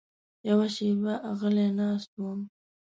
یوه شېبه غلی ناست وم.